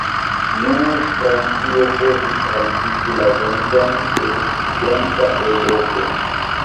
Nur Francio povis haltigi la venkon de okcidenta Eŭropo.